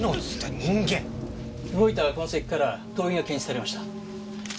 動いた痕跡から灯油が検出されました。